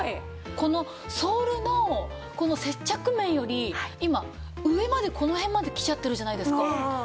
このソールのこの接着面より今上までこの辺まで来ちゃってるじゃないですか。